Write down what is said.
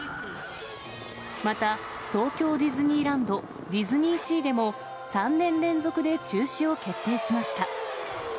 また、東京ディズニーランド、ディズニーシーでも、３年連続で中止を決定しました。